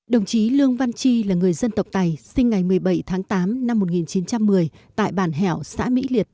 đồng chí lương văn chi là người dân tộc tài sinh ngày một mươi bảy tháng tám năm một nghìn chín trăm một mươi tại bản hẻo xã mỹ liệt